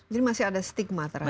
jadi masih ada stigma terhadapnya